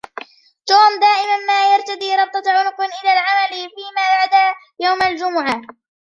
توم دائما ما يرتدي ربطة عنق إلى العمل ، فيما عدا يوم الجمعة.